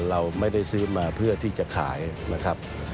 เราไม่ได้ซื้อมาเพื่อที่จะขายนะครับ